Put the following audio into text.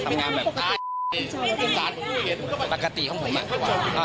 ทำงานแบบปกติของผมอ่ะ